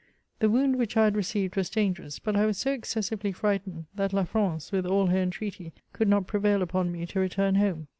The wound which I had received was dan gerous ; but I was so excessively frightened, that La France, with all her entreaty, could not prevail upon me to return home.